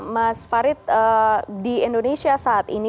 mas farid di indonesia saat ini